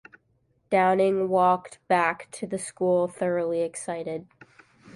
Downing walked back to the school thoroughly excited.